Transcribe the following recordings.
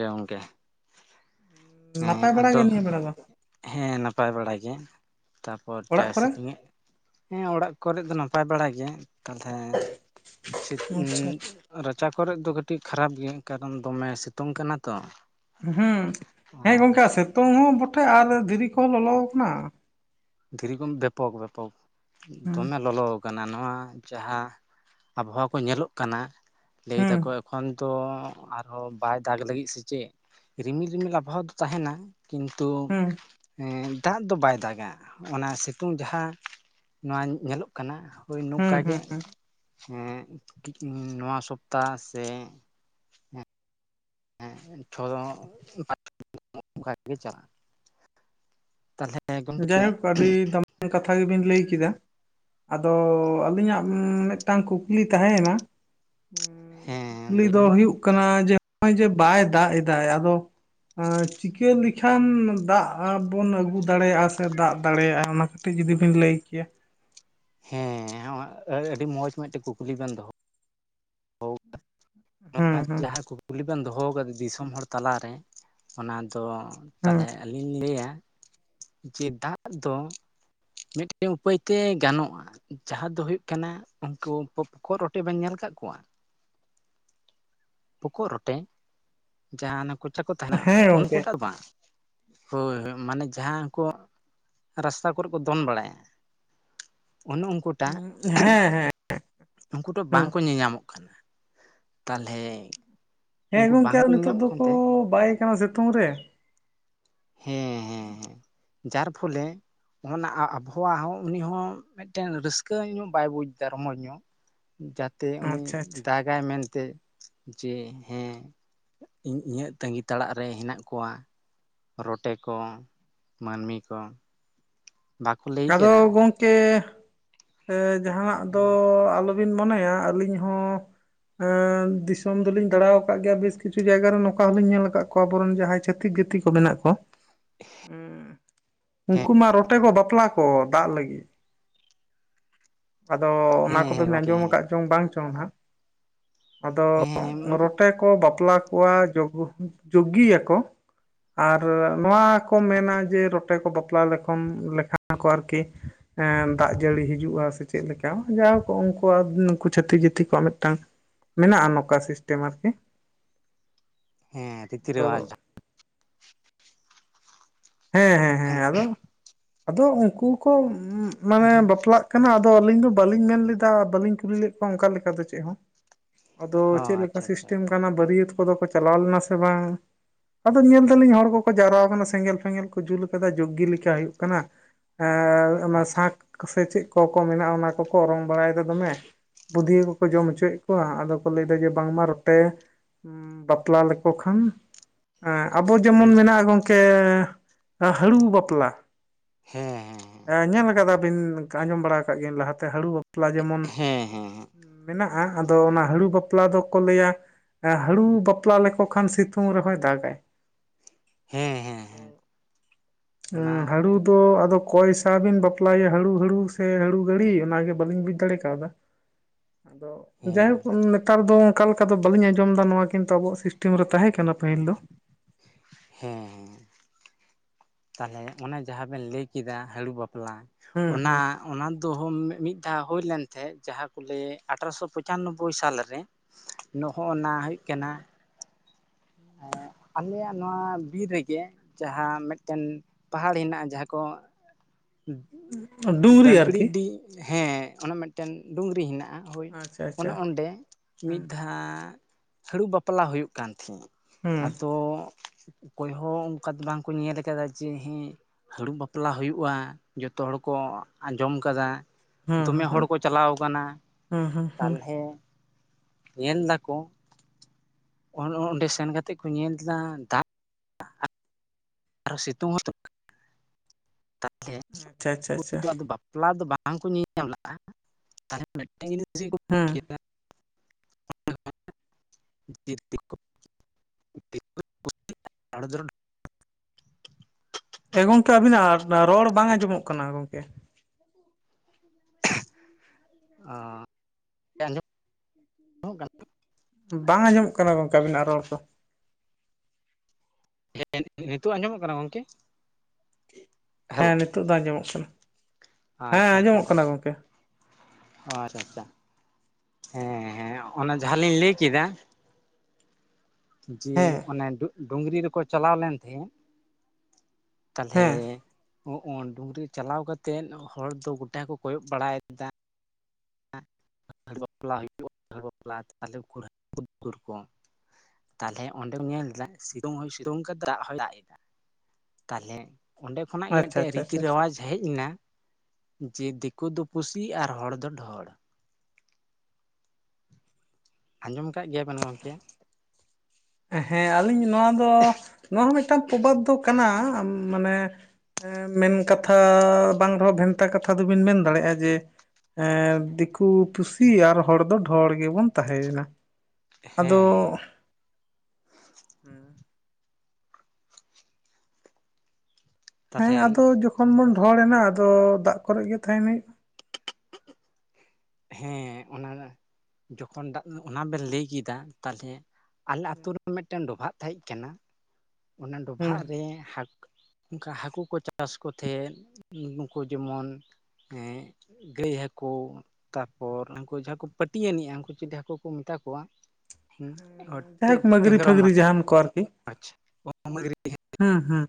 ᱮ ᱜᱚᱝᱠᱮ᱾ ᱦᱮᱸ ᱱᱟᱯᱟᱭ ᱵᱟᱲᱟ ᱟᱫᱚ, ᱜᱮ ᱱᱤᱭᱟᱹ ᱵᱮᱲᱟ ᱫᱚ ᱦᱮᱸ [unintelligible] ᱱᱟᱯᱟᱭ ᱵᱟᱲᱟᱜᱮ᱾ ᱛᱟᱯᱚᱨ ᱚᱲᱟᱜ ᱡᱟᱭ ᱠᱚᱨᱮ? ᱥᱤᱴᱤᱝ ᱮ ᱦᱮᱸ ᱚᱲᱟᱜ ᱠᱚᱨᱮ ᱫᱚ ᱱᱟᱯᱟᱭ ᱵᱟᱲᱟ ᱜᱮᱭᱟ᱾ ᱟᱪᱪᱷᱟ [unintelligible] ᱠᱚᱨᱮ ᱫᱚ ᱠᱟᱹᱴᱤᱡ ᱠᱷᱟᱨᱟᱯ ᱜᱮᱭᱟᱹᱧ ᱠᱟᱨᱚᱱ ᱫᱚᱢᱮ ᱥᱤᱛᱩᱝ ᱠᱟᱱᱟ ᱛᱚ᱾ ᱦᱩᱸ᱾ ᱦᱮᱸ ᱟᱨ ᱚᱱᱠᱟ ᱥᱤᱛᱩᱝ ᱦᱚᱸ ᱵᱚᱴᱷᱮ ᱟᱨ ᱫᱷᱤᱨᱤ ᱠᱚᱦᱚᱸ ᱞᱚᱞᱚᱣ ᱠᱟᱱᱟ᱾ ᱫᱷᱤᱨᱤ ᱠᱚᱢ ᱵᱮᱯᱚᱠ ᱵᱮᱯᱚᱠ ᱦᱩᱸ ᱫᱚᱢᱮ ᱞᱚᱞᱚ [unintelligible] ᱱᱚᱣᱟ ᱡᱟᱦᱟᱸ ᱟᱵᱚᱦᱟᱣᱟ ᱠᱚ ᱧᱮᱞᱚᱜ ᱠᱟᱱᱟ ᱞᱟᱹᱭ ᱦᱩᱸ ᱫᱟᱠᱚ ᱮᱠᱷᱚᱱ ᱛᱚ ᱟᱨᱦᱚᱸ ᱵᱟᱭ ᱫᱟᱜᱽ ᱞᱟᱹᱜᱤᱫ ᱥᱮ ᱪᱮᱫ? ᱨᱤᱢᱤᱞ ᱨᱤᱢᱤᱞ [unintelligible] ᱛᱟᱦᱮᱱᱟ᱾ ᱠᱤᱱᱛᱩ ᱦᱩᱸ ᱫᱟᱜ ᱫᱚ ᱵᱟᱭ ᱫᱟᱜᱟ᱾ ᱚᱱᱟ ᱥᱤᱛᱩᱝ ᱡᱟᱦᱟᱸ ᱱᱚᱣᱟ ᱧᱮᱞᱚᱜ ᱠᱟᱱᱟ ᱦᱚᱭ ᱦᱩᱸ ᱱᱚᱝᱠᱟ ᱜᱮ᱾ ᱦᱩᱸ ᱦᱩᱸ ᱦᱩᱸ᱾ ᱱᱚᱣᱟ ᱥᱚᱯᱛᱟ ᱥᱮ [unintelligible] [unintelligible] ᱡᱟᱭᱦᱳᱠ ᱟᱹᱰᱤ ᱫᱟᱢᱟᱱ ᱠᱟᱛᱷᱟ ᱜᱮᱵᱤᱱ ᱞᱟᱹᱭ ᱠᱮᱫᱟ᱾ ᱟᱫᱚ ᱟᱹᱞᱤᱧᱟᱜ ᱢᱤᱫᱴᱟᱝ ᱠᱩᱠᱞᱤ ᱛᱟᱦᱮᱸᱭ ᱱᱟ ᱦᱮᱸ ᱠᱩᱠᱞᱤ ᱞᱟᱹᱭ ᱫᱚ ᱵᱮᱱ ᱦᱩᱭᱩᱜ ᱠᱟᱱᱟ ᱡᱮ ᱱᱚᱜᱼᱚᱭ ᱡᱮ ᱵᱟᱭ ᱫᱟᱜ ᱮᱫᱫᱟ ᱟᱫᱚ ᱪᱤᱠᱟᱹ ᱞᱮᱠᱷᱟᱱ ᱫᱟᱜ ᱵᱚᱱ ᱟᱹᱜᱩ ᱫᱟᱲᱮᱭᱟᱜᱼᱟ ᱥᱮ ᱫᱟᱜ ᱫᱟᱲᱮᱭᱟᱜᱼᱟ ᱚᱱᱟ ᱠᱟᱹᱴᱤᱡ ᱡᱩᱫᱤ ᱵᱤᱱ ᱞᱟᱹᱭ ᱠᱮᱭᱟ? ᱦᱮᱸ ᱟᱹᱰᱤ ᱢᱚᱸᱡᱽ ᱢᱤᱫᱴᱮᱱ ᱠᱩᱠᱞᱤ ᱵᱮᱱ ᱫᱚᱦᱚ ᱫᱚᱦᱚ ᱠᱮᱫᱟ᱾ ᱦᱩᱸ ᱦᱩᱸ ᱡᱟᱦᱟᱸ ᱠᱩᱠᱞᱤ ᱵᱮᱱ ᱫᱚᱦᱚ ᱠᱟᱫᱟ ᱫᱤᱥᱚᱢ ᱦᱚᱲ ᱛᱟᱞᱟᱨᱮ ᱚᱱᱟ ᱛᱚ ᱦᱩᱸ ᱛᱟᱦᱚᱞᱮ ᱟᱹᱞᱤᱧ ᱞᱟᱹᱭᱟ ᱡᱮ ᱫᱟᱜ ᱫᱚ ᱢᱤᱫᱴᱮᱱ ᱩᱯᱟᱹᱭᱛᱮ ᱜᱟᱱᱚᱜᱼᱟ ᱡᱟᱦᱟᱸ ᱫᱚ ᱦᱩᱭᱩᱜ ᱠᱟᱱᱟ ᱩᱱᱠᱩ ᱯᱚᱠᱚᱜ ᱨᱚᱴᱮ ᱵᱮᱱ ᱧᱮᱞ ᱠᱟ ᱠᱟᱜ ᱠᱚᱣᱟ ᱯᱚᱠᱚᱜ ᱨᱚᱴᱮ ᱡᱟᱦᱱᱟᱜ ᱠᱚ ᱛᱟᱦᱮᱱᱟ ᱦᱮᱸ ᱜᱚᱝᱠᱮ ᱩᱱᱠᱩᱴᱟᱜ ᱵᱟᱝ ᱦᱳᱭ ᱢᱟᱱᱮ ᱡᱟᱦᱟᱸ ᱠᱚ ᱨᱟᱥᱛᱟ ᱠᱚᱨᱮᱜ ᱠᱚ ᱫᱚᱱ ᱵᱟᱲᱟᱭᱟ ᱚᱱᱮ ᱩᱱᱠᱩᱴᱟᱜ ᱦᱮᱸ ᱦᱮᱸ ᱩᱱᱠᱩᱫᱚ ᱦᱩᱸ ᱵᱟᱝᱠᱚ ᱧᱮᱧᱟᱢᱚᱜ ᱠᱟᱱᱟ ᱛᱟᱦᱚᱞᱮ ᱦᱮᱸ ᱩᱱᱠᱩ ᱜᱚᱢᱠᱮ ᱟᱨ ᱵᱟᱝᱠᱚ ᱱᱤᱛᱚᱜ ᱧᱮᱧᱟᱢᱚᱜ ᱫᱚᱠᱚ ᱠᱟᱱᱛᱮ ᱵᱟᱭ ᱠᱟᱱᱟ ᱥᱤᱛᱩᱝ ᱨᱮ ᱦᱮᱸ ᱦᱮᱸ ᱦᱮᱸ ᱡᱟᱨ ᱯᱷᱚᱞᱮ ᱚᱱᱟ [unintelligible] ᱦᱚᱸ ᱩᱱᱤ ᱦᱚᱸ ᱢᱤᱫᱴᱮᱱ ᱨᱟᱹᱥᱠᱟᱹ ᱧᱚᱜ ᱵᱟᱭ ᱵᱩᱡᱽᱫᱟ ᱨᱚᱢᱚᱡᱽ ᱧᱚᱜ ᱡᱟᱛᱮ ᱩᱱᱤ ᱟᱪᱪᱷᱟ ᱟᱪᱪᱷᱟ ᱫᱟᱜᱟᱭ ᱢᱮᱱ ᱛᱮ ᱡᱮ ᱦᱮᱸ ᱤᱧ ᱤᱧᱟᱹᱜ ᱛᱟᱺᱜᱤ ᱛᱟᱲᱟᱜ ᱨᱮ ᱦᱮᱱᱟᱜ ᱠᱚᱣᱟ ᱨᱚᱴᱮ ᱠᱚ ᱢᱟᱹᱱᱢᱤ ᱠᱚ ᱵᱟᱠᱚ ᱞᱟᱹᱭ ᱟᱫᱚ ᱠᱮᱫᱟ ᱜᱚᱝᱠᱮ ᱮ ᱡᱟᱦᱟᱱᱟᱜ ᱫᱚ ᱦᱮᱸ ᱟᱞᱚ ᱵᱤᱱ ᱢᱚᱱᱮᱭᱟ ᱟᱹᱞᱤᱧ ᱦᱚᱸ ᱮᱸ ᱫᱤᱥᱚᱢ ᱫᱚᱞᱤᱧ ᱫᱟᱬᱟ ᱣᱟᱠᱟᱜ ᱜᱮᱭᱟ ᱵᱮᱥ ᱠᱤᱪᱷᱩ ᱡᱟᱭᱜᱟ ᱨᱮ ᱱᱚᱠᱟ ᱦᱚᱞᱤᱧ ᱧᱮᱞ ᱠᱟᱜ ᱠᱚᱣᱟ ᱟᱵᱚᱨᱮᱱ ᱡᱟᱦᱟᱸᱭ ᱪᱷᱟᱹᱛᱤᱠ ᱛᱤᱛᱤ ᱠᱚ ᱢᱮᱱᱟᱜ ᱠᱚᱣᱟ ᱚᱸᱜ ᱦᱮᱸ ᱩᱱᱠᱩ ᱢᱟ ᱨᱚᱴᱮ ᱠᱚ ᱵᱟᱯᱞᱟ ᱠᱚ ᱫᱟᱜ ᱞᱟᱹᱜᱤᱜ ᱟᱫᱚ ᱚᱱᱟ ᱦᱮᱸ ᱠᱚᱫᱚᱧ ᱜᱚᱝᱠᱮ ᱟᱸᱡᱚᱢ ᱦᱮᱸ ᱠᱟᱜ ᱪᱚᱝ ᱵᱟᱝ ᱪᱚᱝ ᱦᱟᱸᱜ ᱟᱫᱚ ᱦᱮᱸ ᱨᱚᱴᱮ ᱠᱚ ᱵᱟᱯᱞᱟ ᱠᱚᱣᱟ ᱡᱩᱜᱩ ᱡᱩᱜᱜᱤᱭᱟᱠᱚ ᱟᱨ ᱱᱚᱣᱟ ᱠᱚ ᱢᱮᱱᱟ ᱡᱮ ᱨᱚᱴᱮ ᱠᱚ ᱵᱟᱯᱞᱟ ᱞᱮᱠᱷᱚᱱ ᱞᱮᱠᱷᱟ ᱠᱚ ᱟᱨᱠᱤ ᱮᱸ ᱫᱟᱜ ᱡᱟᱹᱲᱤ ᱦᱤᱡᱩᱜᱼᱟ ᱥᱮ ᱪᱮᱫ ᱞᱮᱠᱟ ᱡᱟᱭ ᱦᱳᱠ ᱩᱱᱠᱩᱣᱟᱜ ᱩᱱᱠᱩ ᱪᱷᱟᱹᱛᱤᱠ ᱡᱟᱹᱛᱤ ᱠᱚᱣᱟᱜ ᱢᱤᱫᱴᱟᱝ ᱢᱮᱱᱟᱜᱼᱟ ᱱᱚᱝᱠᱟ ᱥᱤᱥᱴᱮᱢ ᱟᱨᱠᱤ ᱦᱮᱸ ᱨᱤᱛᱤ ᱨᱮᱣᱟᱡᱽ ᱟᱫᱚ ᱦᱮᱸ ᱦᱮᱸ ᱦᱮᱸ ᱟᱫᱚ ᱟᱫᱚ ᱩᱱᱠᱩ ᱠᱚ ᱩᱢ ᱢᱟᱱᱮ ᱦᱚᱸ ᱵᱟᱯᱞᱟᱜ ᱠᱟᱱᱟ ᱟᱫᱚ ᱟᱹᱞᱤᱧ ᱫᱚ ᱵᱟᱹᱞᱤᱧ ᱢᱮᱱ ᱞᱮᱫᱟ ᱵᱟᱹᱞᱤᱧ ᱠᱩᱞᱤ ᱞᱮᱫ ᱠᱚᱣᱟ ᱚᱱᱠᱟ ᱞᱮᱠᱟ ᱫᱚ ᱪᱮᱜ ᱦᱚᱸ ᱟᱫᱚ ᱪᱮᱜᱞᱮᱠᱟ ᱟᱪᱪᱷᱟ ᱟᱪᱪᱷᱟ ᱥᱤᱥᱴᱮᱢ ᱟᱪᱪᱷᱟ ᱠᱟᱱᱟ ᱵᱟᱹᱨᱭᱟᱹᱛ ᱠᱚ ᱫᱚ ᱠᱚ ᱪᱟᱞᱟᱣ ᱞᱮᱱᱟ ᱥᱮ ᱵᱟᱝ ᱟᱫᱚ ᱧᱮᱞ ᱫᱟᱞᱤᱧ ᱦᱚᱲ ᱠᱚᱠᱚ ᱡᱟᱣᱨᱟ ᱣᱟᱠᱟᱱᱟ ᱥᱮᱸᱜᱮᱞ ᱥᱮᱸᱜᱮᱞ ᱠᱩ ᱡᱤᱞ ᱠᱟᱫᱟ ᱡᱳᱜᱜᱤ ᱞᱮᱠᱟ ᱦᱩᱭᱩᱜ ᱠᱟᱱᱟ ᱮ ᱚᱱᱟ ᱟᱪᱪᱷᱟ ᱥᱟᱸᱜ ᱠᱚᱨᱮ ᱪᱮᱜ ᱠᱚ ᱠᱚ ᱢᱮᱱᱟᱜᱼᱟ ᱚᱱᱟ ᱠᱚᱠᱚ ᱚᱨᱚᱝ ᱵᱟᱲᱟᱭ ᱫᱟ ᱫᱚᱢᱮ ᱵᱩᱫᱷᱤᱭᱟᱹ ᱠᱚᱠᱚ ᱡᱚᱢ ᱚᱪᱚᱭᱮᱜ ᱠᱚᱣᱟ ᱟᱫᱚ ᱠᱚ ᱞᱟᱹᱭᱫᱟ ᱡᱮ ᱵᱟᱝᱢᱟ ᱨᱚᱴᱮ ᱩᱸ ᱵᱟᱯᱞᱟ ᱞᱮᱠᱚ ᱠᱷᱟᱱ ᱮᱸ ᱟᱵᱚ ᱡᱮᱢᱚᱱ ᱦᱮᱸ ᱢᱮᱱᱟᱜᱼᱟ ᱜᱚᱝᱠᱮ ᱦᱟᱹᱲᱩ ᱵᱟᱯᱞᱟ ᱦᱮᱸ ᱦᱮᱸ ᱮᱸ ᱧᱮᱞ ᱠᱟᱫᱟ ᱵᱤᱱ ᱟᱸᱡᱚᱢ ᱵᱟᱲᱟ ᱠᱟᱜ ᱜᱤᱭᱟᱹᱧ ᱞᱟᱦᱟᱛᱮ ᱦᱟᱺᱬᱩ ᱵᱟᱵ ᱯᱞᱟ ᱡᱮᱢᱚᱱ ᱦᱮᱸ ᱦᱮᱸ ᱦᱮᱸ ᱢᱮᱱᱟᱜᱼᱟ ᱟᱫᱚ ᱚᱱᱟ ᱦᱟᱺᱬᱩ ᱵᱟᱯᱞᱟ ᱫᱚᱠᱚ ᱞᱟᱹᱭᱟ ᱮᱸ ᱦᱟᱺᱬᱩ ᱵᱟᱯᱞᱟ ᱞᱮᱠᱚ ᱠᱷᱟᱱ ᱥᱤᱛᱩᱝ ᱨᱮᱦᱚᱸᱭ ᱫᱟᱜᱟᱭ ᱦᱮᱸ ᱦᱮᱸ ᱦᱮᱸ ᱚᱱᱟ ᱚᱸ ᱦᱟᱺᱲᱩ ᱫᱚ ᱟᱫᱚ ᱠᱚᱭᱥᱟ ᱵᱤᱱ ᱵᱟᱯᱞᱟᱭ ᱭᱟ ᱦᱟᱺᱬᱩ ᱦᱟᱺᱬᱩ ᱥᱮ ᱦᱟᱺᱬᱩ ᱜᱟᱺᱲᱤ ᱚᱱᱟᱜᱮ ᱵᱟᱹᱞᱤᱧ ᱵᱩᱡᱽ ᱫᱟᱲᱮ ᱠᱟᱣᱫᱟ᱾ ᱟᱫᱚ ᱦᱮᱸ ᱡᱟᱭᱦᱳᱠ ᱱᱮᱛᱟᱨ ᱫᱚ ᱚᱱᱠᱟ ᱞᱮᱠᱟ ᱫᱚ ᱵᱟᱹᱞᱤᱧ ᱟᱸᱡᱚᱢ ᱫᱟ ᱱᱚᱣᱟ ᱠᱤᱱᱛᱩ ᱟᱵᱚᱣᱟᱜ ᱥᱤᱥᱴᱮᱢ ᱨᱮ ᱛᱟᱦᱮᱸ ᱠᱟᱱᱟ ᱠᱟᱱᱟ ᱯᱟᱹᱦᱤᱞ ᱫᱚ ᱛᱟᱞᱦᱮ ᱚᱱᱟ ᱡᱟᱦᱟᱸ ᱵᱮᱱ ᱞᱟᱹᱭ ᱠᱮᱫᱟ ᱦᱟᱺᱬᱩ ᱵᱟᱯᱞᱟ ᱦᱩᱸ ᱚᱱᱟ ᱦᱩᱸ ᱚᱱᱟ ᱫᱚ ᱢᱤ-ᱢᱤᱫ ᱡᱟᱦᱟᱸ ᱦᱩᱭ ᱞᱮᱱ ᱛᱮᱦᱮᱸᱫ ᱡᱟᱦᱟᱸᱠᱚ ᱞᱟᱹᱭᱟ ᱤᱨᱟᱹᱞ ᱥᱟᱭ ᱟᱨᱮ-ᱜᱮ ᱢᱚᱬᱮ ᱥᱮᱨᱢᱟ ᱨᱮ ᱱᱚᱜ-ᱚᱭ ᱱᱚᱝᱠᱟ ᱾ ᱠᱟᱱᱟ ᱾ ᱮᱸᱻ ᱟᱞᱮᱭᱟᱜ ᱱᱚᱣᱟ ᱵᱤᱨ ᱨᱮᱜᱮ ᱡᱟᱦᱟᱸ ᱢᱮᱫᱴᱷᱮᱱ ᱯᱟᱦᱟᱲ ᱦᱮᱱᱟᱜᱼᱟ ᱡᱟᱦᱟᱸ ᱠᱚ ᱩᱸᱜ ᱰᱩᱝᱜᱨᱤ ᱫᱟᱹᱠᱲᱤ ᱟᱨᱠᱤ ᱰᱤ ᱦᱮᱸ ᱚᱱᱟ ᱢᱮᱫᱴᱮᱱ ᱰᱩᱝᱨᱤ ᱦᱮᱱᱟᱜᱼᱟ᱾ ᱦᱚᱭ ᱟᱪᱪᱷᱟ ᱟᱪᱪᱷᱟ ᱚᱱᱮ ᱚᱸᱰᱮ ᱦᱩᱸ ᱢᱤᱫ ᱫᱷᱟᱻ ᱦᱟᱺᱬᱩ ᱵᱟᱯᱞᱟ ᱦᱩᱭᱩᱜ ᱠᱟᱱ ᱛᱟᱦᱮᱸᱫ ᱦᱩᱸ ᱟᱫᱚ ᱚᱠᱚᱭ ᱦᱚᱸ ᱚᱝᱠᱟ ᱫᱚ ᱵᱟᱝᱠᱚ ᱧᱮᱞ ᱠᱟᱫᱟ ᱡᱮ ᱦᱮᱸ ᱦᱟᱺᱬᱩ ᱵᱟᱯᱞᱟ ᱦᱩᱭᱩᱜᱼᱟ᱾ ᱡᱚᱛᱚ ᱦᱚᱲ ᱠᱚ ᱟᱸᱡᱚᱢ ᱠᱟᱫᱟ᱾ ᱦᱩᱸ ᱫᱚᱢᱮ ᱦᱩᱸ ᱦᱚᱲ ᱦᱩᱸ ᱠᱚ ᱪᱟᱞᱟᱣ ᱟᱠᱟᱱᱟ ᱦᱩᱸ ᱦᱩᱸ ᱦᱩᱸ ᱛᱟᱦᱞᱮ ᱧᱮᱞ ᱫᱟᱠᱚ ᱚᱱ-ᱚᱸᱰᱮ ᱥᱮᱱ ᱠᱟᱛᱮᱫ ᱠᱚ ᱧᱮᱞᱫᱟ ᱫᱟᱜ ᱟᱨ ᱥᱤᱛᱩᱝ ᱦᱚᱸ ᱛᱚ ᱛᱟᱦᱞᱮ ᱟᱪᱪᱷᱟ ᱟᱪᱪᱷᱟ ᱟᱪᱪᱷᱟ [unintelligible] ᱟᱫᱚ ᱵᱟᱯᱞᱟ ᱫᱚ ᱵᱟᱝ ᱵᱟᱝ ᱠᱚ ᱧᱮᱞ ᱧᱟᱢ ᱞᱟᱜᱼᱟ᱾ᱛᱟᱞᱦᱮ ᱢᱮᱫᱴᱟᱝ ᱡᱤᱱᱤᱥ ᱜᱮᱠᱚ ᱵᱩᱡᱽ ᱦᱩᱸ ᱠᱮᱫᱟ ᱦᱮᱸᱜ ᱮ ᱫᱤᱠᱩ-ᱯᱩᱥᱤ ᱦᱟᱲᱡᱷᱟᱲ ᱯᱩᱥᱴᱟᱹᱣ ᱵᱟᱝ ᱟᱸᱡᱚᱢᱚᱜ ᱠᱟᱱᱟ ᱮ ᱜᱚᱝᱠᱮ ᱟᱵᱤᱱᱟᱜ ᱨᱚᱲ ᱵᱟᱝ ᱟᱸᱡᱚᱢᱚᱜ ᱠᱟᱱᱟ ᱜᱚᱝᱠᱮ ᱚᱸ ᱟᱸᱡᱚᱢᱚᱜ ᱠᱟᱱᱟ᱾ ᱵᱟᱝ ᱟᱸᱡᱚᱢᱚᱜ ᱠᱟᱱᱟ ᱜᱚᱝᱠᱮ ᱟᱵᱤᱱᱟᱜ ᱨᱚᱲ ᱠᱚ ᱦᱮᱸ ᱱᱤᱛᱚᱜ ᱟᱸᱡᱚᱢᱚᱜ ᱠᱟᱱᱟ ᱜᱚᱝᱠᱮ᱾ ᱦᱮᱞᱳ ᱦᱮᱸ ᱱᱤᱛᱚᱜ ᱫᱚ ᱟᱸᱡᱚᱢᱚᱜ ᱠᱟᱱᱟ᱾ ᱦᱮᱸ ᱟᱸᱡᱚᱢᱚᱜ ᱠᱟᱱᱟ ᱜᱚᱝᱠᱮ ᱚ ᱟᱪᱷᱟ-ᱪᱷᱟ ᱦᱮᱸᱻ ᱦᱮᱸ ᱚᱱᱟ ᱡᱟᱦᱟᱸ ᱞᱤᱧ ᱞᱟᱹᱭ ᱠᱮᱫᱟ᱾ ᱡᱮ ᱦᱮᱸ ᱚᱱᱮ ᱰᱩᱜᱼᱰᱩᱝᱨᱤ ᱨᱮᱠᱚ ᱪᱟᱞᱟᱣ ᱞᱮᱱ ᱛᱮᱦᱮᱸᱜ ᱛᱟᱦᱞᱮ ᱦᱮᱸ ᱦᱩᱸᱜ ᱦᱚᱸ ᱰᱩᱝᱨᱤ ᱪᱟᱞᱟᱣ ᱠᱟᱛᱮᱱ ᱦᱚᱲ ᱫᱚ ᱜᱩᱴᱟ ᱠᱚ ᱠᱚᱭᱚᱜ ᱵᱟᱲᱟᱭᱮ- ᱫᱟ ᱟ ᱦᱟᱺᱬᱩ ᱵᱟᱯᱞᱟ ᱦᱩᱭᱩᱜᱼᱟ᱾ ᱦᱟᱺᱬᱩ ᱵᱟᱯᱞᱟ ᱛᱟᱦᱞᱮ ᱠᱩᱲᱦᱟᱹ ᱩᱫ-ᱫᱩᱨ ᱠᱚᱢ ᱛᱟᱦᱞᱮ ᱚᱸᱰᱮᱢ ᱧᱮᱞ ᱫᱟ ᱥᱤᱛᱩᱝ ᱦᱚᱸᱭ ᱥᱤᱛᱩᱝ ᱠᱮᱫᱟ ᱟᱨ ᱫᱟᱜ ᱦᱚᱸᱭ ᱫᱟᱜ ᱮᱫᱟ ᱛᱟᱦᱞᱮ ᱚᱸᱰᱮ ᱠᱷᱚᱱᱟᱜ ᱜᱮ ᱟᱪᱪᱷᱟ ᱮᱱᱛᱮ ᱟᱪᱪᱷᱟ ᱨᱤᱛᱤ- ᱟᱪᱪᱷᱟ ᱨᱮᱣᱟᱡᱽ ᱦᱮᱡ ᱮᱱᱟ᱾ ᱡᱮ ᱫᱤᱠᱩ ᱫᱚ ᱯᱩᱥᱤ ᱟᱨ ᱦᱚᱲ ᱫᱚ ᱰᱷᱚᱬ᱾ ᱟᱸᱡᱚᱢ ᱠᱟᱜ ᱜᱮᱭᱟ ᱵᱮᱱ ᱜᱚᱝᱠᱮ ᱦᱮᱸ ᱟᱞᱤᱧ ᱱᱚᱣᱟ ᱫᱚ ᱱᱚᱣᱟ ᱦᱚᱸ ᱢᱤᱫᱴᱟᱝ ᱯᱨᱚᱵᱟᱫᱽ ᱫᱚ ᱠᱟᱱᱟ ᱚ ᱢᱟᱱᱮ ᱦᱮᱸᱻ ᱢᱮᱱ ᱠᱟᱛᱷᱟ ᱵᱟᱝ ᱨᱮᱦᱚᱸ ᱵᱷᱮᱱᱛᱟ ᱠᱟᱛᱷᱟ ᱫᱚᱵᱤᱱ ᱢᱮᱱ ᱫᱟᱲᱮᱭᱟᱜᱼᱟ ᱡᱮ ᱦᱮᱸᱻ ᱫᱤᱠᱩ ᱯᱩᱥᱤ ᱟᱨ ᱦᱚᱲ ᱫᱚ ᱰᱷᱚᱬ ᱜᱮᱵᱚᱱ ᱛᱟᱦᱮᱸ ᱭᱮᱱᱟ᱾ ᱦᱮᱸᱻ ᱦᱩᱸᱻ ᱦᱮᱸ ᱛᱟᱦᱚᱞᱮ ᱟᱫᱚ ᱡᱚᱠᱷᱚᱱ ᱵᱚᱱ ᱨᱚᱦᱚᱲ ᱮᱱᱟ ᱟᱫᱚ ᱫᱟᱜ ᱠᱚᱨᱮ ᱜᱮ ᱛᱟᱦᱮᱱ ᱦᱩᱭᱩᱜ ᱦᱮᱸᱻ ᱚᱱᱟ ᱱᱟ ᱡᱚᱠᱷᱚᱱ ᱫᱟᱜ ᱚᱱᱟ ᱵᱮᱱ ᱞᱟᱹᱭ ᱠᱮᱫᱟ ᱛᱟᱦᱞᱮ ᱟᱞᱮ ᱟᱛᱩ ᱨᱮ ᱢᱤᱫᱴᱟᱝ ᱰᱚᱵᱷᱟᱜ ᱛᱟᱦᱮᱸᱜ ᱠᱟᱱᱟ ᱚᱱᱟ ᱦᱩᱸ ᱰᱚᱵᱷᱟᱜ ᱨᱮ ᱦᱟᱹᱠᱩ ᱚᱱᱠᱟ ᱦᱟᱹᱠᱩ ᱠᱚ ᱪᱟᱥ ᱠᱚ ᱛᱮᱦᱮᱱ ᱩᱱ-ᱩᱱᱠᱩ ᱡᱮᱢᱚᱱ ᱦᱮᱸ ᱠᱷᱚᱭ ᱦᱟᱹᱠᱩ ᱛᱟᱨᱯᱚᱨ ᱚᱱᱠᱩ ᱡᱟᱦᱟᱸ ᱠᱩ ᱯᱟᱹᱴᱤ ᱭᱮᱱ ᱢᱮᱭᱟ ᱩᱱᱠᱩ ᱪᱤᱞᱤ ᱦᱟᱹᱠᱩ ᱠᱚ ᱢᱮᱛᱟ ᱠᱚᱣᱟ ᱦᱩᱸ ᱟᱴᱤ ᱡᱟᱭᱦᱳᱠ ᱢᱟᱹᱜᱽᱨᱤ ᱴᱮᱸᱜᱽᱨᱚᱢᱟ ᱯᱷᱟᱹᱜᱽᱨᱤ ᱡᱟᱦᱟᱱ ᱠᱚ ᱟᱨᱠᱤ ᱟᱪᱷᱟ ᱚᱜ-ᱚᱱᱨᱤ ᱦᱮᱸ ᱦᱩᱸ ᱦᱩᱸ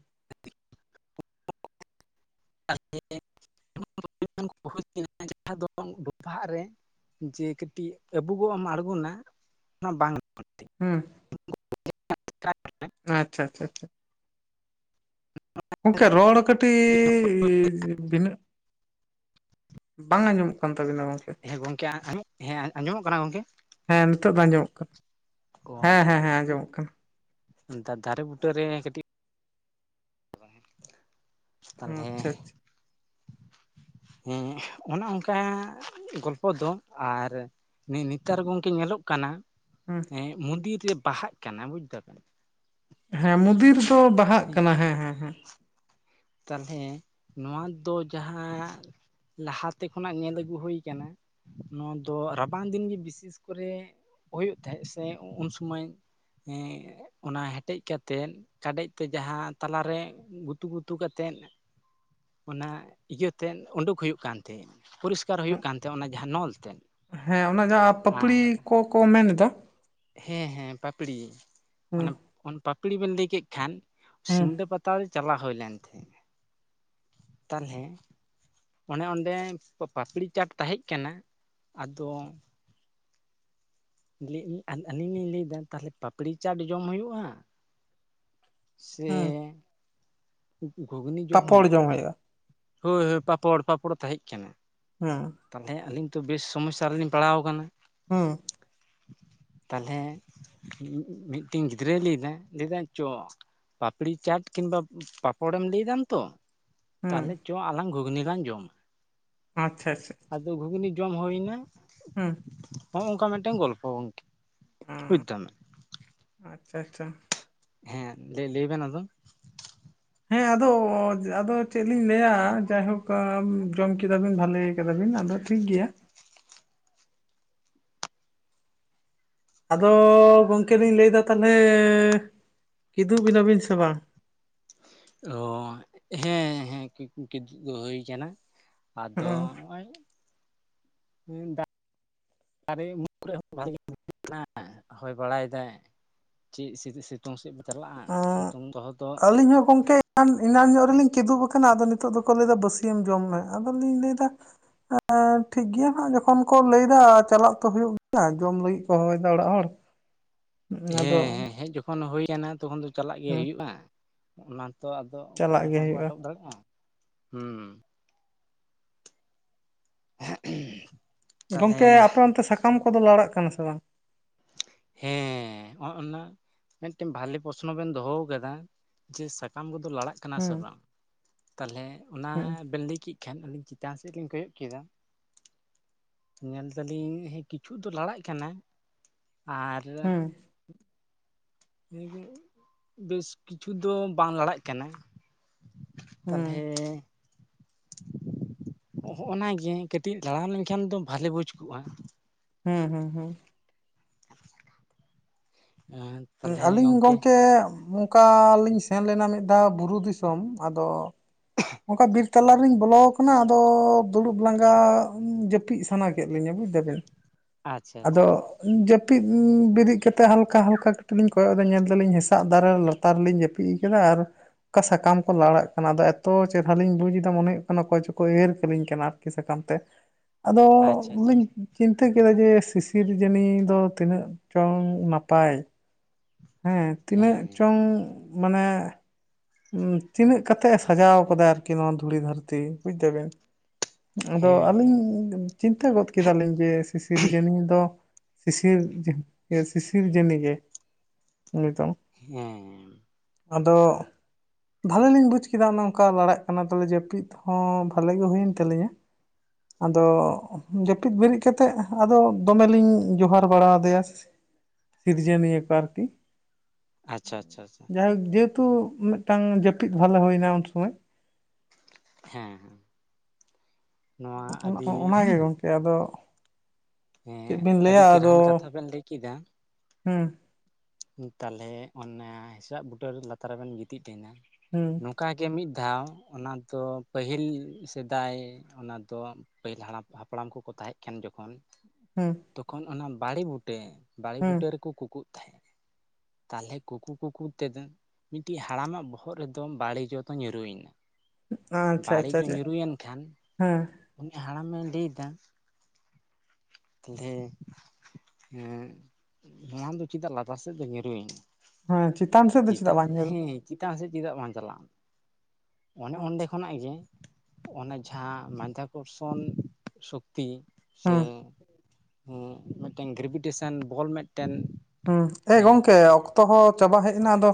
ᱟ ᱮᱸᱻᱮᱸᱜ ᱩᱸᱻ ᱩ ᱩᱱ ᱩᱱᱠᱩ ᱠᱟᱱ ᱠᱩ ᱦᱩᱭ ᱪᱩ ᱟ ᱡᱟᱦᱟᱸ ᱫᱚ ᱰᱚᱵᱷᱟᱜ ᱨᱮ ᱡᱮ ᱠᱟᱹᱴᱤᱡ ᱟᱹᱵᱩᱜᱚᱜ ᱮᱢ ᱟᱬᱜᱚᱱᱟ ᱚᱱᱟ ᱵᱟᱝ ᱪᱮ ᱦᱚᱸ ᱴᱷᱟᱹᱣᱠᱟᱹ ᱵᱟᱝ ᱟᱸᱡᱚᱢᱚᱜ ᱠᱟᱱᱟ ᱾ ᱟᱪᱷᱟ-ᱪᱷᱟ ᱪᱟ ᱚᱱᱠᱟ ᱨᱚᱲ ᱠᱟᱹᱴᱤᱻᱡᱽ ᱵᱷᱤᱱᱟᱹᱜ ᱵᱟᱝ ᱟᱸᱡᱚᱢᱚᱜ ᱠᱟᱱᱟ᱾ ᱦᱮᱸ ᱜᱚᱝᱠᱮ ᱟ ᱟᱧᱚᱢ ᱦᱮᱸ ᱟᱸᱡᱚᱢᱚᱜ ᱠᱟᱱᱟ ᱜᱚᱝᱠᱮ ᱦᱮᱸ ᱱᱤᱛᱚᱜ ᱫᱚ ᱟᱸᱡᱚᱢᱚᱜ ᱠᱟᱱᱟ ᱦᱮᱸ ᱦᱮᱸ ᱦᱮᱸ ᱟᱸᱡᱚᱢᱚᱜ ᱠᱟᱱᱟ᱾ ᱫᱟ ᱫᱟᱨᱮ ᱵᱩᱴᱟᱹ ᱨᱮ ᱠᱟᱹᱴᱤᱡ ᱵᱚ [unintelligible] ᱛᱟᱞᱦᱮ ᱟᱪᱪᱷᱟ ᱟᱪᱪᱷᱟ ᱦᱮᱸ ᱚᱱᱟ ᱚᱱᱠᱟ ᱟᱸᱻ ᱜᱚᱞᱯᱚ ᱫᱚ ᱟᱨ ᱱᱮ ᱱᱤᱛᱟᱨ ᱜᱚᱝᱠᱮ ᱧᱮᱞᱚᱜ ᱠᱟᱱᱟ ᱦᱮᱸ ᱮᱸᱜ ᱢᱩᱱᱫᱤᱨ ᱨᱮ ᱵᱟᱦᱟᱜ ᱠᱟᱱᱟ ᱵᱩᱡᱽ ᱫᱟᱵᱮᱱ ᱦᱮᱸ ᱢᱩᱫᱤᱨ ᱥᱚ ᱵᱟᱦᱟᱜ ᱠᱟᱱᱟ ᱦᱮᱸ ᱦᱮᱸ ᱦᱮᱸ ᱛᱟᱞᱦᱮ ᱱᱚᱣᱟ ᱫᱚ ᱡᱟᱦᱟᱸᱱ ᱞᱟᱦᱟ ᱛᱮ ᱠᱷᱚᱱᱟᱜ ᱧᱮᱞ ᱟᱹᱜᱩ ᱦᱩᱭ ᱠᱟᱱᱟ ᱱᱚᱣᱟ ᱫᱚ ᱨᱟᱵᱟᱝ ᱫᱤᱱ ᱜᱤ ᱵᱤᱥᱤᱥ ᱠᱚᱨᱮ ᱦᱳᱭᱩᱜ ᱛᱮᱦᱮᱸᱜ ᱥᱮ ᱚᱸ ᱩᱱ ᱥᱚᱢᱚᱹᱭ ᱦᱮᱸ ᱚᱱᱟ ᱦᱮᱴᱮᱡ ᱠᱟᱛᱮᱱ ᱠᱟᱰᱮᱡ ᱛᱮ ᱡᱟᱦᱟᱸ ᱛᱟᱞᱟ ᱨᱮ ᱜᱩᱛᱩ ᱜᱩᱛ ᱛᱩ ᱠᱟᱛᱮᱱ ᱚᱱᱟ ᱤᱭᱟᱹ ᱛᱮᱱ ᱚᱸᱰᱩᱠ ᱦᱩᱭᱩᱜ ᱠᱟᱱ ᱛᱮ ᱯᱚᱨᱤᱥᱠᱟᱨ ᱦᱩᱭᱩᱜ ᱦᱮᱸ ᱠᱟᱱ ᱛᱮ ᱚᱱᱟ ᱡᱟᱦᱟᱸ ᱱᱚᱞ ᱛᱮᱱ ᱦᱮᱸ ᱚᱱᱟ ᱡᱟᱦᱟᱸ ᱯᱟᱹᱯᱲᱤ ᱠᱚ ᱠᱚ ᱢᱮᱱᱮᱫᱟ ᱦᱮᱸ ᱦᱮᱸ ᱯᱟᱯᱲᱤ ᱦᱮᱸ ᱚᱱᱟᱵ ᱚᱱ ᱯᱟᱯᱲᱤ ᱵᱮᱱ ᱞᱟᱹᱭ ᱠᱮᱫ ᱠᱷᱟᱱ ᱦᱮᱸ ᱥᱤᱞᱫᱟᱹ ᱯᱟᱛᱟ ᱨᱮ ᱪᱟᱞᱟ ᱦᱩᱭ ᱞᱮᱱ ᱛᱮ ᱛᱟᱞᱦᱮ ᱚᱱᱮ ᱚᱸᱰᱮ ᱯᱚ ᱯᱟᱯᱲᱤ ᱪᱟᱴ ᱛᱟᱦᱮᱸᱜ ᱠᱟᱱᱟ ᱟᱫᱚ ᱞᱤ ᱤ ᱟᱞ ᱟᱞᱤᱧ ᱞᱤᱧ ᱞᱟᱹᱭ ᱫᱟ ᱛᱟᱞᱦᱮ ᱯᱟᱯᱲᱤ ᱪᱟᱴ ᱡᱚᱢ ᱦᱩᱭᱩᱜᱼᱟ᱾ ᱥᱮᱻ ᱦᱮᱸ ᱜᱷᱩᱜᱽᱱᱤ ᱡᱚᱢ ᱦᱩᱭᱩᱜᱼᱟ, ᱦᱳᱭ ᱦᱳᱭ ᱯᱟᱯᱚᱲ ᱯᱟᱯᱚᱲ ᱛᱟᱦᱮᱸ ᱠᱟᱱᱟ᱾ ᱦᱮᱸ ᱛᱟᱦᱚᱞᱮ ᱟᱹᱞᱤᱧ ᱛᱚ ᱵᱮᱥ ᱥᱚᱢᱚᱥᱥᱟ ᱨᱮᱞᱤᱧ ᱯᱟᱲᱟᱣ ᱠᱟᱱᱟ᱾ ᱦᱮᱸ ᱛᱟᱞᱦᱮ ᱢᱤᱫᱴᱮᱱ ᱜᱤᱫᱽᱨᱟᱹᱭ ᱞᱟᱹᱭᱫᱟ ᱞᱟᱹᱭᱫᱟ ᱪᱚ ᱾ ᱯᱟᱯᱲᱤ ᱪᱟᱴ ᱠᱤᱱᱵᱟ ᱯᱟᱯᱚᱲᱮᱢ ᱞᱟᱹᱭ ᱫᱟᱢ ᱛᱚ? ᱦᱮᱸ ᱛᱟᱦᱚᱞᱮ ᱪᱚ ᱟᱞᱟᱝ ᱜᱷᱩᱜᱽᱱᱤ ᱞᱟᱝ ᱡᱚᱢᱟ ᱾ ᱟᱪᱪᱷᱟ ᱪᱷᱟ ᱪᱷᱟ᱾ ᱡᱚᱢ ᱦᱳᱭᱱᱟ᱾ ᱦᱮᱸ᱾ ᱦᱚᱸᱜᱼ ᱚ ᱚᱝᱠᱟ ᱢᱤᱫᱴᱮᱱ ᱜᱚᱞᱯᱷᱚ ᱜᱚᱝᱠᱮ ᱵᱩᱡᱽᱫᱟᱢ ᱾ ᱪᱷᱟ ᱪᱷᱟ᱾ ᱦᱮᱸ ᱞᱟᱹᱭ ᱞᱟᱹᱭ ᱵᱮᱱ ᱟᱫᱚ᱾ ᱦᱮᱸ ᱟᱫᱚᱻ ᱟᱫᱚ ᱪᱮᱫ ᱞᱤᱧ ᱞᱟᱹᱭᱟ ᱡᱟᱭᱦᱳᱠ ᱡᱚᱢ ᱠᱮᱫᱟ ᱵᱤᱱ ᱵᱷᱟᱞᱮ ᱠᱮᱫᱟᱵᱤᱱ ᱟᱫᱚ ᱴᱷᱤᱠ ᱜᱮᱭᱟ᱾ ᱟᱫᱚᱻ ᱜᱚᱢᱠᱮ ᱞᱤᱧ ᱞᱟᱹᱭᱫᱟ ᱛᱟᱦᱚᱞᱮᱻ ᱠᱤᱫᱩᱵ ᱠᱮᱫᱟᱵᱤᱱ ᱥᱮ ᱵᱟᱝ? ᱚ ᱦᱮᱸ ᱦᱮᱸ ᱠᱤᱫᱩᱜ ᱦᱩᱭ ᱠᱟᱱᱟ᱾ ᱟᱫᱚ ᱦᱚᱸᱜᱼᱚ ᱚᱜᱼᱚᱭ ᱫᱟᱜ ᱫᱟᱨᱮ ᱩᱢᱩᱞ ᱠᱚᱨᱮ ᱦᱚᱸ ᱵᱷᱟᱜᱮ ᱵᱩᱡᱷᱳᱜ ᱠᱟᱱᱟ ᱦᱚᱭ ᱵᱟᱲᱟᱭ ᱫᱟᱭ᱾ ᱪᱮᱫ ᱥᱤᱛᱩᱝ ᱥᱮᱫ ᱯᱮ ᱪᱟᱞᱟᱜᱼᱟ ᱥᱤᱛᱩᱝ ᱫᱚ ᱟᱞᱤᱧ ᱦᱚᱸ ᱜᱚᱝᱠᱮ ᱮᱱᱟᱱ ᱧᱚᱜ ᱨᱮᱞᱤᱧ ᱠᱤᱫᱩᱵ ᱠᱟᱱᱟ ᱟᱫᱚ ᱱᱤᱛᱚᱜ ᱫᱚᱠᱚ ᱞᱟᱹᱭᱫᱟ ᱵᱟᱹᱥᱤᱭᱟᱹᱢ ᱡᱚᱢ ᱢᱮ᱾ ᱟᱫᱚ ᱞᱤᱧ ᱞᱟᱹᱭᱫᱟ ᱦᱮᱸ ᱴᱷᱤᱠ ᱜᱮᱭᱟ ᱦᱟᱸᱜ ᱡᱚᱠᱷᱚᱱ ᱠᱚ ᱞᱟᱹᱭᱫᱟ ᱪᱟᱞᱟᱜ ᱛᱚ ᱦᱩᱭᱩᱜ ᱜᱮᱭᱟ ᱡᱚᱢ ᱞᱟᱹᱜᱤᱫ ᱠᱚ ᱦᱚᱦᱚᱭ ᱫᱟ ᱚᱲᱟᱜ ᱦᱚᱲ᱾ ᱟᱫᱚ ᱦᱮᱸ ᱦᱮᱸ ᱦᱮᱡ ᱡᱚᱠᱷᱚᱱ ᱦᱩᱭ ᱠᱟᱱᱟ ᱛᱚᱠᱷᱚᱱ ᱫᱚ ᱪᱟᱞᱟᱜ ᱜᱮ ᱦᱮᱸ ᱦᱩᱭᱩᱜᱼᱟ, ᱚᱱᱟ ᱛᱚ ᱟᱫᱚ ᱪᱟᱞᱟᱜ ᱚᱠᱚᱭ ᱜᱮ ᱵᱟᱝᱠᱚ ᱦᱩᱭᱩᱜᱼᱟ ᱟᱴᱚᱠ ᱫᱟᱲᱮᱜᱼᱟ ᱦᱩᱸ ᱾ [unintelligible] ᱜᱚᱢᱠᱮ ᱟᱯᱮ ᱚᱱᱛᱮ ᱥᱟᱠᱟᱢ ᱠᱚᱫᱚ ᱞᱟᱲᱟᱜ ᱠᱟᱱᱟ ᱥᱮ ᱵᱟᱝ? ᱦᱮᱸ ᱚᱜ-ᱱᱟ ᱢᱤᱫᱴᱮᱱ ᱵᱷᱟᱞᱮ ᱯᱚᱥᱱᱚ ᱵᱮᱱ ᱫᱚᱦᱚ ᱠᱟᱫᱟ, ᱡᱮ ᱥᱟᱠᱟᱢ ᱠᱚᱫᱚ ᱞᱟᱲᱟᱜ ᱠᱟᱱᱟ ᱥᱮ ᱦᱩᱸ ᱵᱟᱝ, ᱛᱟᱦᱚᱞᱮ ᱚᱱᱟ ᱦᱩᱸ ᱵᱮᱱ ᱞᱟᱹᱭ ᱠᱮᱜ ᱠᱷᱟᱱ ᱪᱮᱛᱟᱱ ᱥᱮᱫ ᱞᱤᱧ ᱠᱚᱭᱚᱜ ᱠᱮᱫᱟ ᱧᱮᱞ ᱫᱟᱞᱤᱧ ᱦᱮᱸ ᱠᱤᱪᱷᱩ ᱫᱚ ᱞᱟᱲᱟᱜ ᱠᱟᱱᱟ᱾ ᱟᱨ ᱦᱩᱸ ᱞᱮᱭ ᱵᱮᱱ ᱵᱮᱥ ᱠᱤᱪᱷᱩ ᱫᱚ ᱵᱟᱝ ᱞᱟᱲᱟᱜ ᱠᱟᱱᱟ᱾ ᱦᱩᱸ ᱛᱟᱦᱚᱞᱮᱻ ᱦᱚᱸᱜᱼᱚᱱᱟ ᱜᱮ ᱠᱟᱹᱴᱤᱡ ᱞᱟᱲᱟᱣ ᱞᱮᱱᱠᱷᱟᱱ ᱫᱚ ᱵᱷᱟᱞᱤ ᱵᱩᱡᱽ ᱠᱚᱜᱼᱟ ᱾ ᱦᱩᱸ ᱦᱩᱸ ᱦᱩᱸ᱾ ᱮᱸ ᱛᱟᱞᱦᱮ ᱟᱹᱞᱤᱧ ᱜᱚᱝᱠᱮ ᱠᱟ ᱞᱤᱧ ᱥᱮᱱ ᱞᱮᱱᱟ ᱢᱤᱫ ᱫᱷᱟᱣ ᱵᱩᱨᱩ ᱫᱤᱥᱚᱢ᱾ ᱟᱫᱚ ᱚᱱᱠᱟ ᱵᱤᱨ ᱛᱟᱞᱟ ᱨᱤᱧ ᱵᱚᱞᱚ ᱠᱟᱱᱟ, ᱟᱫᱚ ᱫᱩᱲᱩᱵ ᱞᱟᱸᱜᱟ ᱡᱟᱹᱯᱤᱫ ᱥᱟᱱᱟ ᱠᱮᱫ ᱞᱤᱧᱟ᱾ ᱵᱩᱡᱽ ᱫᱟᱵᱮᱱ ᱟᱪᱪᱷᱟ ᱟᱫᱚ ᱟᱪᱪᱷᱟ ᱡᱟᱹ ᱡᱟᱹᱯᱤᱫ ᱵᱤᱨᱤᱫ ᱠᱟᱛᱮ ᱦᱟᱞᱠᱟ ᱦᱟᱞᱠᱟ ᱠᱟᱹᱴᱤᱡ ᱞᱤᱧ ᱠᱚᱭᱚᱜ ᱫᱟ ᱧᱮᱞ ᱫᱟᱞᱤᱧ ᱦᱮᱥᱟᱜ ᱫᱟᱨᱮ ᱞᱟᱛᱟᱨ ᱨᱮᱞᱤᱧ ᱡᱟᱹᱯᱤᱜ ᱠᱟᱫᱟ᱾ ᱚᱱᱠᱟ ᱥᱟᱠᱟᱢ ᱠᱚ ᱞᱟᱲᱟᱜ ᱠᱟᱱᱟ ᱟᱫᱚ ᱮᱛᱚ ᱪᱮᱦᱨᱟ ᱞᱤᱧ ᱵᱩᱡᱫᱟ ᱢᱚᱱᱮ ᱦᱩᱭᱩᱜ ᱠᱟᱱᱟ, ᱚᱠᱚᱭ ᱪᱚᱠᱚ ᱮᱭᱮᱨ ᱠᱟᱹᱞᱤᱧ ᱠᱟᱱᱟ ᱟᱨᱠᱤ ᱥᱟᱠᱟᱢ ᱛᱮ᱾ ᱟᱫᱚ ᱟᱪᱪᱷᱟ ᱞᱤᱧ ᱟᱪᱪᱷᱟ ᱪᱤᱱᱛᱟᱹ ᱠᱮᱫᱟ ᱡᱮ ᱥᱤᱥᱤᱨ ᱥᱨᱤᱡᱟᱹᱱᱤ ᱫᱚ ᱛᱤᱱᱟᱹᱜ ᱪᱚᱝ ᱱᱟᱯᱟᱭ᱾ ᱦᱮᱸ ᱛᱤᱱᱟᱹᱜ ᱦᱮᱸ ᱪᱚᱝ ᱢᱟᱱᱮ ᱛᱤᱱᱟᱹᱜ ᱠᱟᱛᱮᱜ ᱮ ᱥᱟᱡᱟᱣ ᱠᱟᱫᱟᱭ ᱟᱨᱠᱤ, ᱱᱚᱣᱟ ᱫᱷᱩᱲᱤ ᱫᱷᱟᱹᱨᱛᱤ ᱵᱩᱡᱽ ᱫᱟᱵᱤᱱ ᱾ ᱟᱫᱚ ᱟᱹᱞᱤᱧ ᱦᱮᱸ ᱪᱤᱱᱛᱟᱹ ᱜᱚᱫ ᱠᱮᱫᱟᱞᱤᱧ ᱡᱮ ᱥᱤᱥᱤᱨᱡᱟᱹᱱᱤ ᱫᱚ [unintelligible] ᱦᱮᱸ ᱟᱫᱚ [inaudible] ᱵᱷᱟᱞᱮ ᱞᱤᱧ ᱵᱩᱡᱽ ᱠᱮᱫᱟ ᱚᱱᱮ ᱚᱱᱠᱟ ᱞᱟᱲᱟᱜ ᱠᱟᱱᱟ ᱛᱟᱦᱚᱞᱮ ᱡᱟᱹᱯᱤᱫ ᱦᱚ ᱵᱷᱟᱞᱮ ᱜᱮ ᱦᱩᱭᱮᱱ ᱛᱟᱞᱤᱧᱟ᱾ ᱟᱫᱚ ᱡᱟᱹᱯᱤᱫ ᱵᱤᱨᱤᱫ ᱠᱟᱛᱮᱜ ᱟᱫᱚ ᱫᱚᱢᱮᱞᱤᱧ ᱡᱚᱦᱟᱨ ᱵᱟᱲᱟᱣᱟᱫᱮᱭᱟ ᱥᱤᱨᱡᱚᱱᱤᱭᱟᱹ ᱠᱚ ᱟᱨᱠᱤ ᱟᱪᱪᱷᱟ ᱟᱪᱪᱷᱟ ᱟᱪᱪᱷᱟ ᱛᱩ ᱢᱤᱫᱴᱟᱝ ᱡᱟᱹᱯᱤᱫ ᱵᱷᱟᱞᱮ ᱦᱩᱭᱱᱟ ᱩᱱ ᱥᱚᱢᱚᱭ ᱦᱮᱸ ᱱᱚᱣᱟ ᱟᱹᱰᱤ ᱚᱱᱟᱜᱮ ᱜᱚᱝᱠᱮ ᱟᱫᱚ ᱦᱮᱸ ᱪᱮᱫ ᱵᱤᱱ ᱞᱟᱹᱭᱟ ᱟᱹᱰᱤ ᱪᱮᱨᱦᱨᱟᱱ ᱠᱟᱛᱷᱟ ᱵᱮᱱ ᱞᱟᱹᱭ ᱠᱮᱫᱟ᱾ ᱦᱮᱸ ᱛᱟᱦᱚᱞᱮ ᱚᱱᱟ ᱦᱮᱥᱟᱜ ᱵᱩᱴᱟᱹᱨ ᱞᱟᱛᱟᱨ ᱨᱮᱵᱮᱱ ᱜᱤᱛᱤᱡ ᱛᱟᱦᱮᱱᱟ ᱦᱩᱸ ᱱᱚᱝᱠᱟ ᱜᱮ ᱢᱤᱫ ᱫᱟᱣ ᱚᱱᱟ ᱫᱚ ᱯᱟᱹᱦᱤᱞ ᱥᱮᱫᱟᱭ ᱚᱱᱟ ᱫᱚ ᱯᱟᱹᱦᱤᱞ ᱦᱟᱲᱟᱢ ᱦᱟᱯᱲᱟᱢ ᱠᱚ ᱠᱚ ᱟᱡ ᱠᱟᱱ ᱡᱚᱠᱷᱚᱱ ᱦᱩᱸ ᱛᱚᱠᱷᱚᱱ ᱚᱱᱟ ᱵᱟᱲᱮ ᱵᱩᱴᱟᱹ ᱵᱟᱲᱮ ᱦᱩᱸ ᱵᱩᱴᱟᱹ ᱨᱮᱠᱚ ᱠᱩᱠᱩᱩᱜ ᱛᱟᱦᱚᱞᱮ ᱠᱩᱠᱩ ᱠᱩᱠᱩ ᱛᱮᱫᱚ ᱢᱤᱫᱴᱤᱡ ᱦᱟᱲᱟᱢᱟᱜ ᱵᱚᱦᱚᱜ ᱨᱮᱫᱚ ᱵᱟᱹᱲᱤ ᱡᱚ ᱫᱚ ᱧᱩᱨᱩᱭᱮᱱᱟ᱾ ᱟᱪᱪᱷᱟ ᱵᱟᱹᱲᱤ ᱟᱪᱪᱷᱟ ᱡᱚ ᱟᱪᱪᱷᱟ ᱧᱩᱨᱩᱭᱮᱱ ᱠᱷᱟᱱ ᱦᱮᱸ ᱩᱱᱤ ᱦᱟᱲᱟᱢᱮ ᱞᱟᱹᱭᱫᱟ ᱫᱮ ᱦᱮᱸ ᱱᱚᱣᱟ ᱫᱚ ᱪᱮᱫᱟᱜ ᱞᱟᱛᱟᱨ ᱥᱮᱫ ᱫᱚ ᱧᱩᱨᱩᱭᱱᱟ᱾ ᱦᱮᱸ ᱪᱮᱛᱟᱱ ᱥᱮᱫ ᱫᱚ ᱪᱮᱫᱟᱜ ᱵᱟᱝ ᱧᱩᱨᱩ ᱪᱮᱛᱟᱱ ᱥᱮᱫ ᱪᱮᱫᱟᱜ ᱵᱟᱝ ᱪᱟᱞᱟᱜᱼᱟ ᱚᱱᱮ ᱚᱸᱰᱮ ᱟᱪᱪᱷᱟ ᱠᱷᱚᱱᱟᱜ ᱜᱮ ᱚᱱᱟ ᱡᱟᱦᱟᱸ ᱢᱟᱡᱫᱷᱟ ᱠᱚᱨᱥᱚᱱ ᱥᱚᱠ ᱛᱤ ᱥᱮ ᱦᱩᱸ ᱦᱩ ᱢᱤᱫᱴᱟᱝ ᱜᱨᱮᱵᱷᱤᱴᱮᱥᱚᱱ ᱵᱚᱞ ᱢᱤᱫ ᱦᱮᱸ ᱮ ᱜᱚᱢᱠᱮ ᱚᱠᱛᱚ ᱦᱚᱸ ᱪᱟᱵᱟ ᱦᱮᱡ ᱮᱱᱟ ᱟᱫᱚ